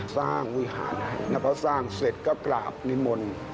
สร้างวิหารนับสร้างเสร็จก็กราบนิมนต์